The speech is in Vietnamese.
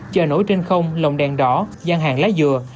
chợ nổi trên không lồng đèn đỏ gian hàng lá dừa